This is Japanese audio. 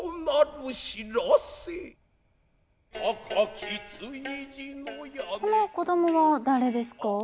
この子供は誰ですか？